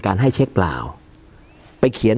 การแสดงความคิดเห็น